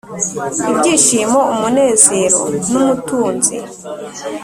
ibyishimo, umunezero n'umutunzi,